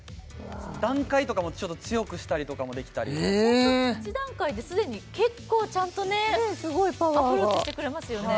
段階とかもちょっと強くしたりとかもできたり１段階ですでに結構ちゃんとねねえすごいパワーがアプローチしてくれますよね